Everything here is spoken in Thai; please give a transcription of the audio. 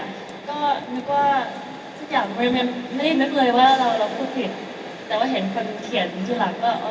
ก็นึกว่าสักอย่างไม่ได้ยินได้เลยว่าเราพูดผิดแต่ว่าเห็นคนเขียนที่หลังก็อ๋อถามว่ะ